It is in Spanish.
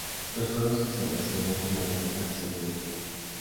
Los juegos que se reseñan en la revista reciben un puntaje.